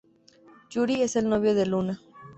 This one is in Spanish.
Yuri es el novio de Luna.